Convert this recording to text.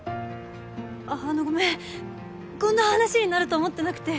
あのごめんこんな話になると思ってなくて。